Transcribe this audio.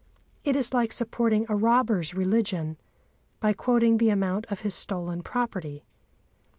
It is like supporting a robber's religion by quoting the amount of his stolen property.